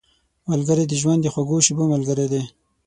ملګری د ژوند د خوږو شېبو ملګری دی